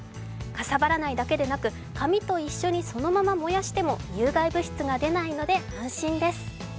かさばらないだけでなく、紙と一緒にそのまま燃やしても有害物質が出ないので安心です。